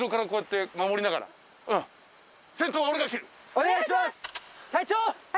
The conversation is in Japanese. お願いします隊長！